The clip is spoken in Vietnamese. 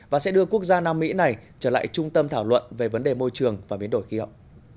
và sẽ đưa quốc gia nam mỹ này trở lại trung tâm thảo luận về vấn đề môi trường và biến đổi khí hậu